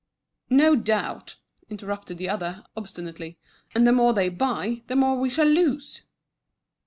"No doubt," interrupted the other, obstinately, "and the more they buy, the more we shall lose."